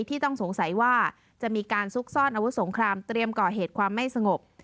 ที่ต้องสงสัยว่าจะมีการซุกซ่อนอาวุธสงครามเตรียมก่อเหตุความไม่สงบ